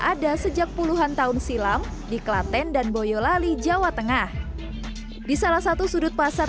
ada sejak puluhan tahun silam di klaten dan boyolali jawa tengah di salah satu sudut pasar